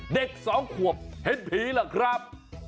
เด็กสองขวบเห็นผีล่ะครับ